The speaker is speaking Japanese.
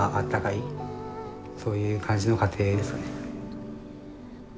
そういう感じの家庭ですかね。